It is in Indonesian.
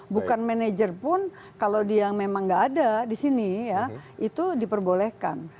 bukan manajer pun kalau dia memang nggak ada di sini ya itu diperbolehkan